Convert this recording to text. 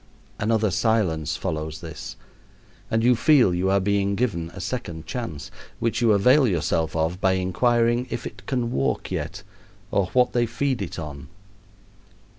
Another silence follows this, and you feel you are being given a second chance, which you avail yourself of by inquiring if it can walk yet, or what they feed it on.